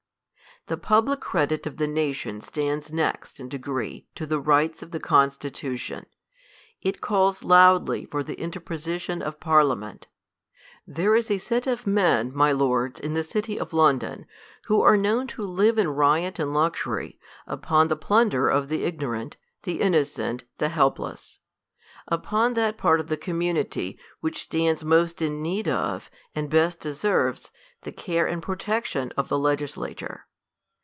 The public credit of the nation stands next in degree to the rights of the constitution; it calls loudly for the^ interposition of Parliament. There is a set of nien,l my lords, in the cit^ of London, who are known to live in riot and luxury, upon the plunder of the igno rant, the innocent, the helpless ; upon that part of the community, which stands most in need of, and best de serves the care and protection of the legislature.